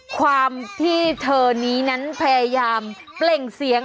ความที่เธอนี้นั้นพยายามเปล่งเสียง